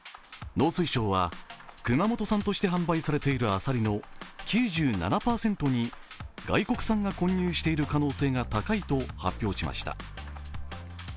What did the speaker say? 農水省は熊本産として販売されているアサリの９７％に外国産が混入している可能性が高いと発表しました。